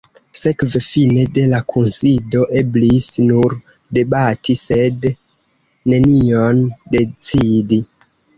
Sekve fine de la kunsido eblis nur debati, sed nenion decidi.